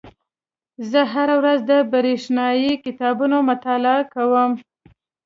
زه هره ورځ د بریښنایي کتابونو مطالعه کوم.